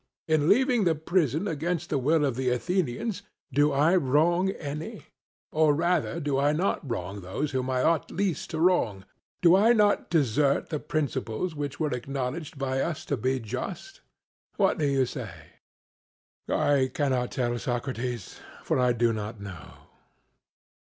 In leaving the prison against the will of the Athenians, do I wrong any? or rather do I not wrong those whom I ought least to wrong? Do I not desert the principles which were acknowledged by us to be just what do you say? CRITO: I cannot tell, Socrates, for I do not know.